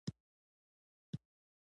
د انګورو زړې غوړي لري.